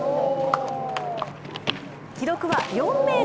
記録は４ｍ７０。